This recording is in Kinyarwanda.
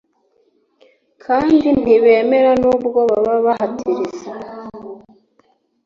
kandi ntibemera nubwo wabahatiriza